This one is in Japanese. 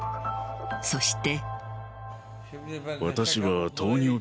そして。